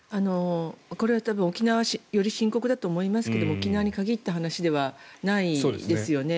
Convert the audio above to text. これは沖縄はより深刻だと思いますが沖縄に限った話じゃないですよね。